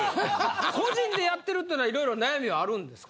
個人でやってるっていうのは色々悩みはあるんですか？